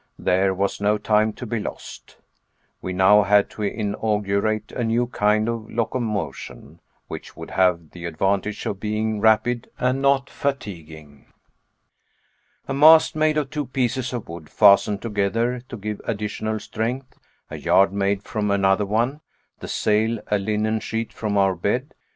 There was no time to be lost. We now had to inaugurate a new kind of locomotion, which would have the advantage of being rapid and not fatiguing. A mast, made of two pieces of wood fastened together, to give additional strength, a yard made from another one, the sail a linen sheet from our bed.